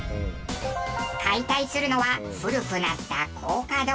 解体するのは古くなった高架道路。